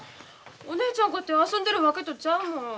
お姉ちゃんかて遊んでるわけとちゃうもん。